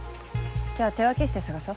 じゃあ手分けして捜そ。